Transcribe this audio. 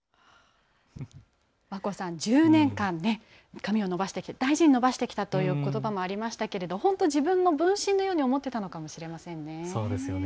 和恋さん、１０年間、髪を伸ばしてきた、大事に伸ばしてきたということばもありましたけれど本当に自分の分身のように思っていたのかもしれませんね。